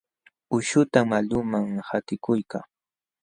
Uushatam ulquman qatikuykaa.